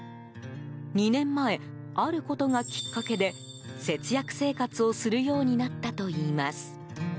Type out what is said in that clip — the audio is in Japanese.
２年前、あることがきっかけで節約生活をするようになったといいます。